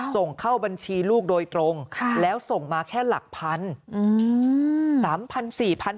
ส่งเข้าบัญชีลูกโดยตรงแล้วส่งมาแค่หลักพัน